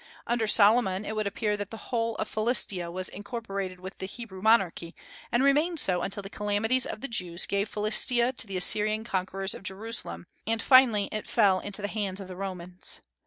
Under Solomon it would appear that the whole of Philistia was incorporated with the Hebrew monarchy, and remained so until the calamities of the Jews gave Philistia to the Assyrian conquerors of Jerusalem, and finally it fell into the hands of the Romans.